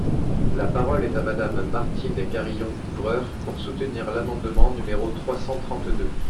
La parole est à Madame Martine Carrillon-Couvreur, pour soutenir l’amendement numéro trois cent trente-deux.